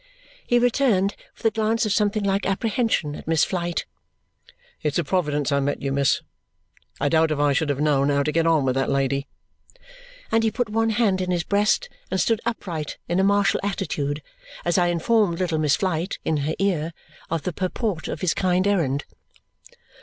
he returned with a glance of something like apprehension at Miss Flite. "It's a providence I met you, miss; I doubt if I should have known how to get on with that lady." And he put one hand in his breast and stood upright in a martial attitude as I informed little Miss Flite, in her ear, of the purport of his kind errand.